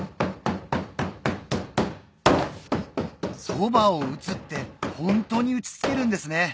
「そばを打つ」ってホントに打ち付けるんですね